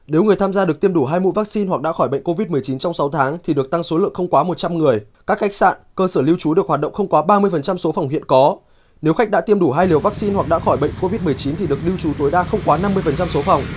nếu người tham gia được tiêm đủ hai mũi vaccine hoặc đã khỏi bệnh covid một mươi chín trong sáu tháng thì được tăng số lượng không quá một trăm linh người các khách sạn cơ sở lưu trú được hoạt động không quá ba mươi số phòng hiện có nếu khách đã tiêm đủ hai liều vaccine hoặc đã khỏi bệnh covid một mươi chín thì được lưu trú tối đa không quá năm mươi số phòng